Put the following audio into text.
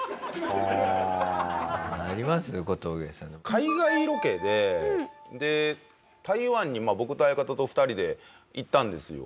海外ロケで台湾に僕と相方と２人で行ったんですよ。